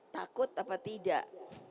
takut apa tidak